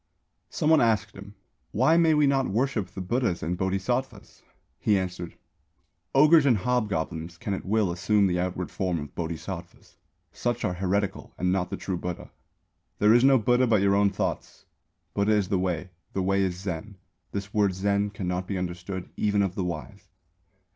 Some one asked him: "Why may we not worship the Buddhas and Bodhisattvas?" He answered: "Ogres and hobgoblins can at will assume the outward form of Bodhisattvas; such are heretical and not of the true Buddha. There is no Buddha but your own thoughts. Buddha is the Way. The Way is Zen. This word Zen cannot be understood even of the wise.